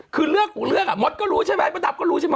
คือเรื่องหมดก็รู้ใช่ไหมประดับก็รู้ใช่ไหม